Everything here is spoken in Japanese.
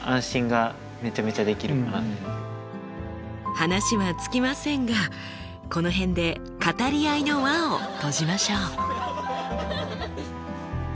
話は尽きませんがこの辺で語り合いの輪を閉じましょう。